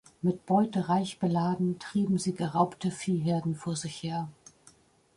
Mit Beute reich beladen trieben sie geraubte Viehherden vor sich her.